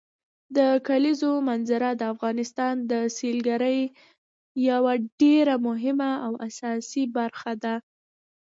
د کلیزو منظره د افغانستان د سیلګرۍ یوه ډېره مهمه او اساسي برخه ده.